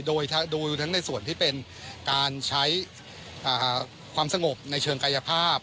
โดยดูทั้งในส่วนที่เป็นการใช้ความสงบในเชิงกายภาพ